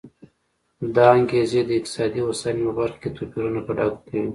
دا انګېزې د اقتصادي هوساینې په برخه کې توپیرونه په ډاګه کوي.